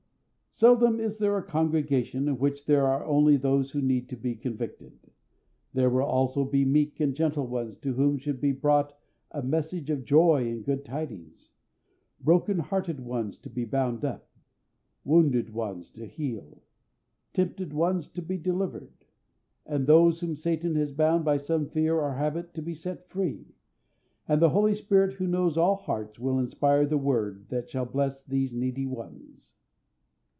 Seldom is there a congregation in which there are only those who need to be convicted. There will also be meek and gentle ones to whom should be brought a message of joy and good tidings; broken hearted ones to be bound up; wounded ones to heal; tempted ones to be delivered; and those whom Satan has bound by some fear or habit to be set free; and the Holy Spirit who knows all hearts will inspire the word that shall bless these needy ones.